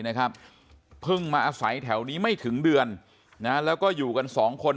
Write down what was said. นะครับเพิ่งมาอาศัยแถวนี้ไม่ถึงเดือนนะแล้วก็อยู่กันสองคน